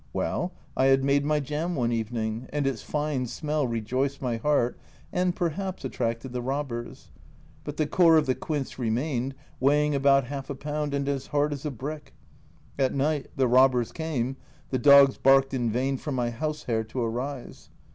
Well, I had made my jam one evening, and its fine smell rejoiced my heart (and perhaps attracted the robbers), but the core of the quince remained, weighing about half a pound, and as hard as a brick. At night the robbers came, the dogs barked in vain for my house Herr to arise.